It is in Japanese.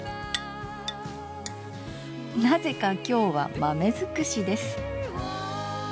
なぜか今日は豆尽くしです。